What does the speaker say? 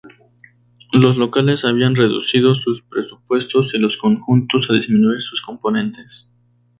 Los locales habían reducido sus presupuestos y los conjuntos a disminuir sus componentes".